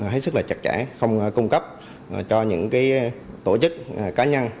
hết sức là chặt chẽ không cung cấp cho những tổ chức cá nhân